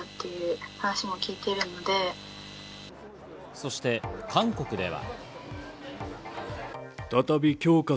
そして韓国では。